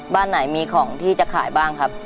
บ้านไหนมีของที่จะขายบ้างครับ